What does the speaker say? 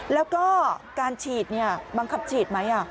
แล้วก็การฉีดบังคับฉีดไหม